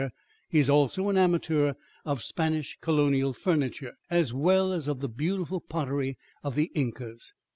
He is also an amateur of Spanish colonial furniture as well as of the beautiful pottery of the Incas.